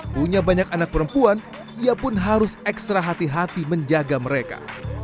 punya banyak anak perempuan ia pun harus ekstra hati hati menjaga mereka